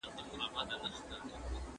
استازو به خپل سفارتونه پرانیستي وي.